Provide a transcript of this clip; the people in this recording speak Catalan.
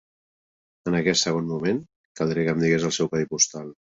En aquest segon moment, caldria que em digués el seu codi postal.